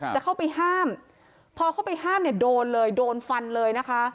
จะเข้าไปห้ามพอเข้าไปห้ามโดนฟันเลยว่ะ